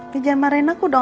biar jangan marahin aku dong